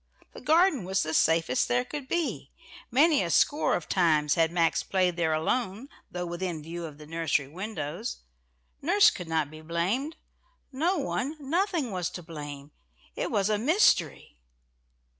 The garden was the safest there could be, many a score of times had Max played there alone, though within view of the nursery windows; nurse could not be blamed. No one, nothing, was to blame. It was a mystery!